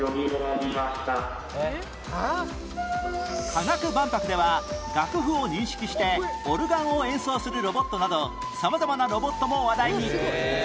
科学万博では楽譜を認識してオルガンを演奏するロボットなど様々なロボットも話題に